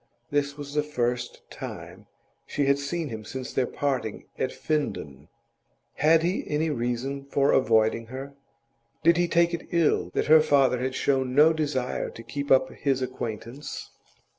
This was the first time she had seen him since their parting at Finden. Had he any reason for avoiding her? Did he take it ill that her father had shown no desire to keep up his acquaintance?